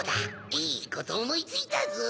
いいことおもいついたぞ！